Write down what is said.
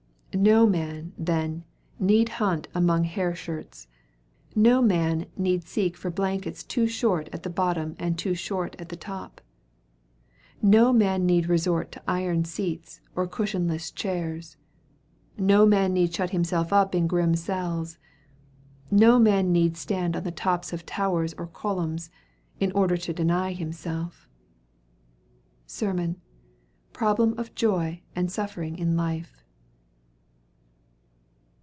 No man, then, need hunt among hair shirts; no man need seek for blankets too short at the bottom and too short at the top; no man need resort to iron seats or cushionless chairs; no man need shut himself up in grim cells; no man need stand on the tops of towers or columns, in order to deny himself. SERMON 'Problem of Joy and Suffering in Life.'